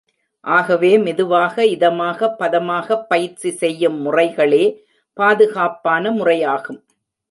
ஆகவே, மெதுவாக, இதமாக, பதமாகப் பயிற்சி செய்யும் முறைகளே பாதுகாப்பான முறையாகும்.